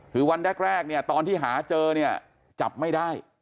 คือวันแรกเนี่ยตอนที่หาเจอเนี่ยจับไม่ได้